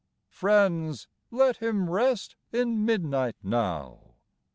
Friends, let him rest In midnight now.